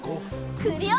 クリオネ！